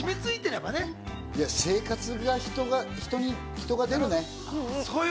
生活に人が出るね。